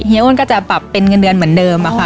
อ้วนก็จะปรับเป็นเงินเดือนเหมือนเดิมอะค่ะ